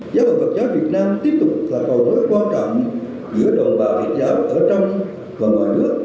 giáo hội phật giáo việt nam tiếp tục là cầu nối quan trọng giữa đồng bào phật giáo ở trong và ngoài nước